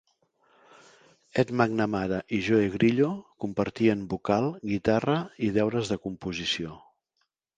Ed McNamara i Joe Grillo compartien vocal, guitarra i deures de composició.